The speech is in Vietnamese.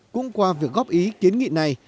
cũng qua việc góp ý kiến nghị này